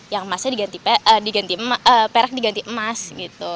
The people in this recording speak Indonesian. yang emasnya perak diganti emas gitu